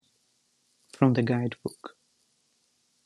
From the guidebook.